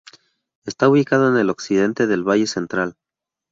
Está ubicado en el occidente del Valle Central.